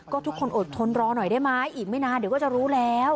ก็ทุกคนอดทนรอหน่อยได้ไหมอีกไม่นานเดี๋ยวก็จะรู้แล้ว